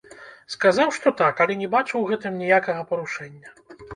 Сказаў, што так, але не бачу ў гэтым ніякага парушэння.